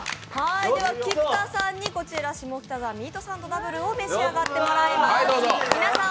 菊田さんにこちら下北沢ミートサンドダブルを召し上がっていただきます。